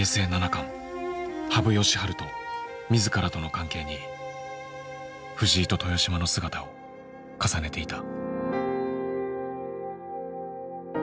冠羽生善治と自らとの関係に藤井と豊島の姿を重ねていた。